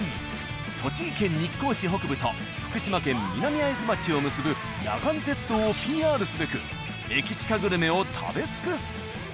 栃木県日光市北部と福島県・南会津町を結ぶ野岩鉄道をＰＲすべく駅チカグルメを食べ尽くす。